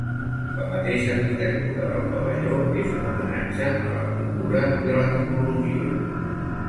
La mateixa arquitectura del pavelló és un homenatge a la cultura i a la tecnologia.